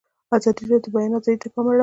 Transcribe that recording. ازادي راډیو د د بیان آزادي ته پام اړولی.